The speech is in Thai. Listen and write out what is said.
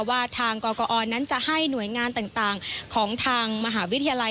ว่าทางกกอนั้นจะให้หน่วยงานต่างของทางมหาวิทยาลัย